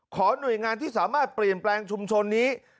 หน่วยงานที่สามารถเปลี่ยนแปลงชุมชนนี้